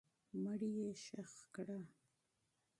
مړی یې ښخ کړه.